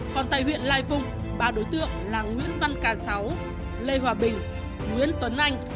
còn tại huyện lai vung ba đối tượng là nguyễn văn cà sáu lê hòa bình nguyễn tuấn anh